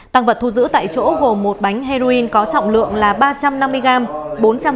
tăng vật thu giữ tại chỗ gồm một bánh heroin có trọng lượng là ba trăm năm mươi gram